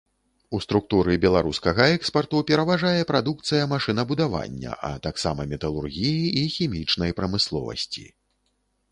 У структуры беларускага экспарту пераважае прадукцыя машынабудавання, а таксама металургіі і хімічнай прамысловасці.